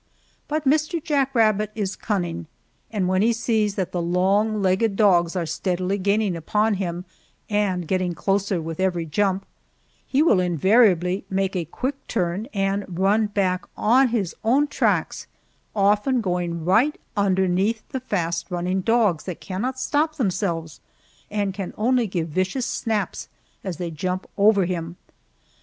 But Mr. Jack Rabbit is cunning, and when he sees that the long legged dogs are steadily gaining upon him and getting closer with every jump, he will invariably make a quick turn and run back on his own tracks, often going right underneath the fast running dogs that cannot stop themselves, and can only give vicious snaps as they jump over him.